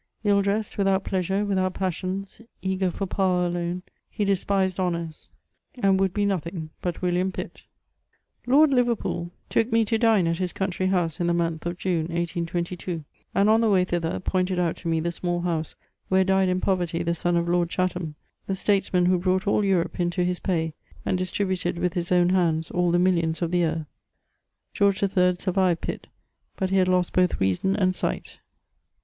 Ill* dressed, without pleasure, without passions, eager for power alone, he despised honours, and would be nothing but William PiU. Lord Liverpool took me to dine at his country house in the month of June, 1822 ; and on the way thither, pointed out to me the small house where died in poverty the son of Lord Chatham, the statesman who brought all Europe into his pay, and distributed with his own hands all the millions of the earth. George III. survived Pitt, but he had lost both reason and dght.